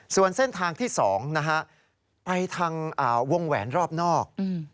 ส่วนเส้นทางที่๒นะฮะไปทางวงแหวนรอบนอก